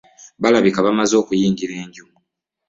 Balabika baamaze okuyingira enju.